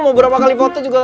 mau berapa kali foto juga